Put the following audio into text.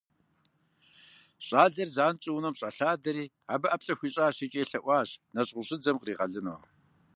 ЩӀалэр занщӀэу унэм щӀэлъадэри абы ӀэплӀэ хуищӀащ икӀи елъэӀуащ нэжьгъущӀыдзэм къригъэлыну.